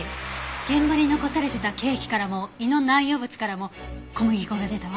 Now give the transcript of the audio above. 現場に残されていたケーキからも胃の内容物からも小麦粉が出たわ。